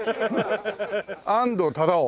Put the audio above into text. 安藤忠雄。